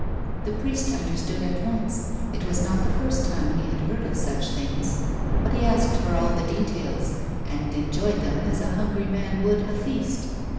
The priest understood at once, it was not the first time he had heard of such things, but he asked for all the details, and enjoyed them as a hungry man would a feast.